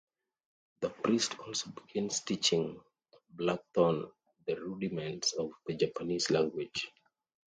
The priest also begins teaching Blackthorne the rudiments of the Japanese language.